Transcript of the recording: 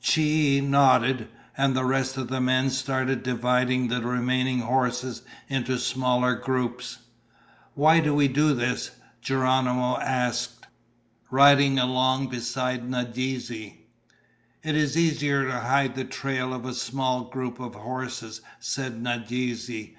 Chie nodded, and the rest of the men started dividing the remaining horses into smaller groups. "Why do we do this?" Geronimo asked, riding along beside Nadeze. "It is easier to hide the trail of a small group of horses," said Nadeze.